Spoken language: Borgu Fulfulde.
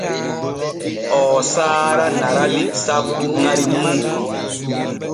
Oo saara Narali sabbu ŋari mum.